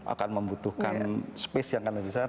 akan membutuhkan space yang akan lebih besar